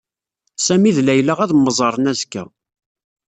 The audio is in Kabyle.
Sami d Layla ad mmeẓren azekka.